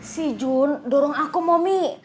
si jun durung aku momi